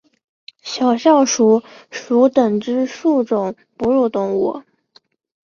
小啸鼠属等之数种哺乳动物。